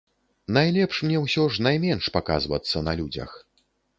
Найлепш мне ўсё ж найменш паказвацца на людзях.